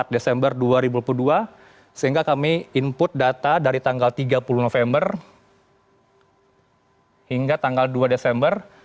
empat desember dua ribu dua puluh dua sehingga kami input data dari tanggal tiga puluh november hingga tanggal dua desember